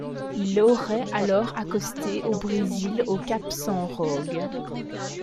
Ils auraient alors accosté au Brésil au cap San Rogue.